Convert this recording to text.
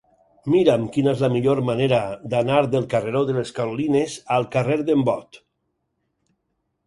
Mira'm quina és la millor manera d'anar del carreró de les Carolines al carrer d'en Bot.